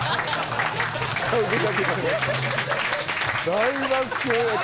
大爆笑や。